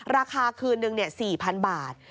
ราคาคืนนึง๔๐๐๐บาท